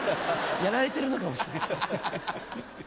やられてるのかもしれない。